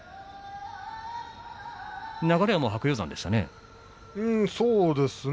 流れは白鷹山でしたね。